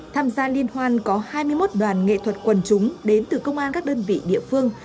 tham gia liên hoan có hai mươi một đoàn nghệ thuật quần chúng đến từ công an các đơn vị địa phương